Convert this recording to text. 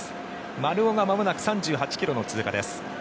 丸尾がまもなく３８ｋｍの通過です。